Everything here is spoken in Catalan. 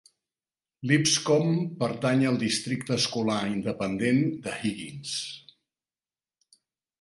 Lipscomb pertany al districte escolar independent de Higgins.